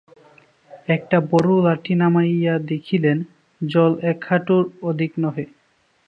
একটা বড়ো লাঠি নামাইয়া দেখিলেন জল একহাঁটুর অধিক নহে।